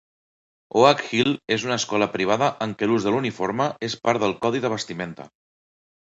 Oak Hill és una escola privada en què l'ús de l'uniforme és part del codi de vestimenta.